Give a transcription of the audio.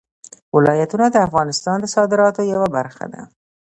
ولایتونه د افغانستان د صادراتو یوه برخه ده.